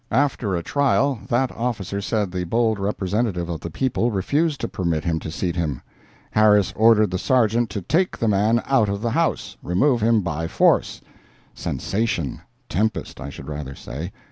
After a trial, that officer said the bold representative of the people refused to permit him to seat him. Harris ordered the Sergeant to take the man out of the house—remove him by force! [Sensation—tempest, I should rather say.